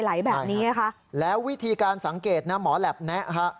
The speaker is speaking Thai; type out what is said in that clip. ไหลแบบนี้ไงคะแล้ววิธีการสังเกตนะหมอแหลปแนะฮะ